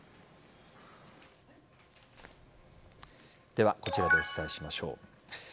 では、こちらでお伝えしましょう。